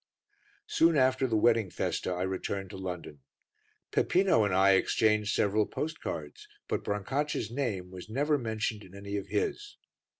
Soon after the wedding festa I returned to London. Peppino and I exchanged several postcards, but Brancaccia's name was never mentioned in any of his.